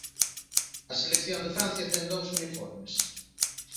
A selección de Francia ten dous uniformes.